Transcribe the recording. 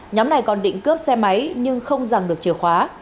nhóm này còn định cướp xe máy nhưng không dàn được chìa khóa